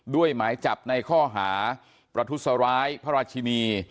หมายจับในข้อหาประทุษร้ายพระราชินี